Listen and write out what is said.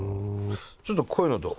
ちょっとこういうのどう？